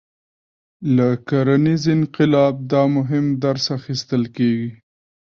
له کرنیز انقلاب دا مهم درس اخیستل کېږي.